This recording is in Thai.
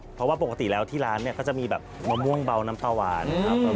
เพราะว่าปกติแล้วที่ร้านก็จะมีแบบมะม่วงเบาน้ำปลาหวานครับ